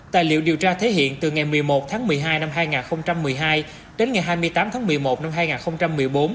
tài liệu điều tra thể hiện từ ngày một mươi một tháng một mươi hai năm hai nghìn một mươi hai đến ngày hai mươi tám tháng một mươi một năm hai nghìn một mươi bốn